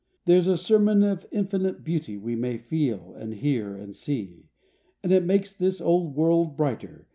There's a sermon of infinite beauty We may feel, and hear, and see, And it makes this old world brighter.